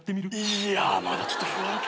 いやまだちょっと不安ですよ。